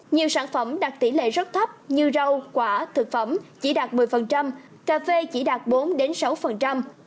nhiều sản phẩm đạt tỷ lệ rất thấp như rau quả thực phẩm chỉ đạt một mươi cà phê chỉ đạt bốn sáu